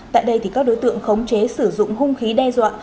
tại đây các đối tượng khống chế sử dụng hung khí đe dọa